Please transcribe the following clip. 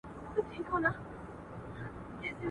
شاه محمود د جګړې په میدان کې بې سارې مېړانه وښوده.